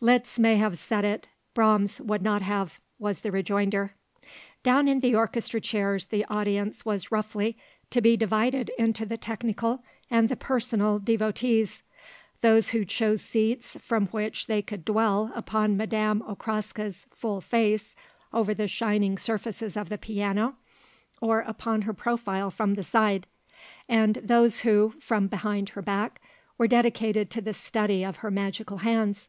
"Liszt may have said it; Brahms would not have;" was the rejoinder. Down in the orchestra chairs the audience was roughly to be divided into the technical and the personal devotees; those who chose seats from which they could dwell upon Madame Okraska's full face over the shining surfaces of the piano or upon her profile from the side; and those who, from behind her back, were dedicated to the study of her magical hands.